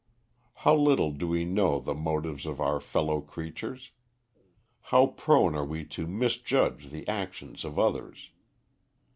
How little do we know the motives of our fellow creatures! How prone we are to misjudge the actions of others!